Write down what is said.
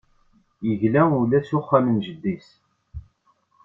Yegla ula s uxxam n jeddi-s.